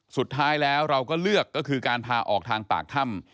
สุดท้ายแล้วเราก็เลือกก็คือการพาออกทางปากถ้ำ